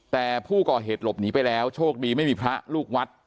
แต่ผู้ก่อเหตุหลบหนีไปแล้วโชคดีไม่มีพระลูกวัด